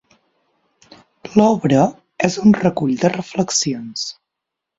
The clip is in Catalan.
L'obra és un recull de reflexions.